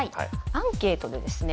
アンケートでですね